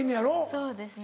そうですね。